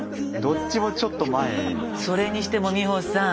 それにしても美穂さん。